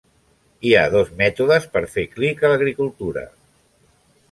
Hi ha dos mètodes per fer clic a l'agricultura.